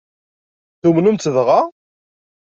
Tumnem-tt dɣa?